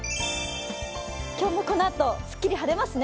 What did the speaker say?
今日もこのあと、すっきり晴れますね。